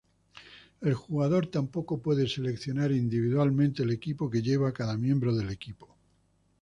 El jugador tampoco puede seleccionar individualmente el equipo que lleva cada miembro del equipo.